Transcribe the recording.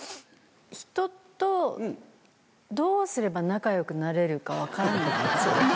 ひととどうすれば仲良くなれるか分からない。